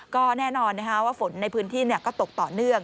ก็แน่นอนว่าฝนในพื้นที่ก็ตกต่อเนื่อง